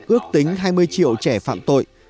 ước tính hai mươi triệu trẻ phạm tội